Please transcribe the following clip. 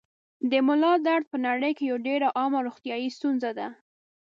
د ملا درد په نړۍ کې یوه ډېره عامه روغتیايي ستونزه ده.